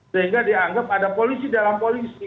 sehingga dianggap ada polisi dalam polisi